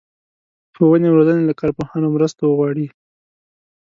ښوونې او روزنې له کارپوهانو مرسته وغواړي.